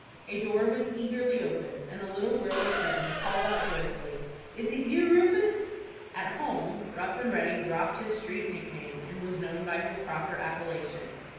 A door was eagerly opened, and a little girl of seven called out joyfully:— "Is it you, Rufus?" At home, Rough and Ready dropped his street nickname, and was known by his proper appellation.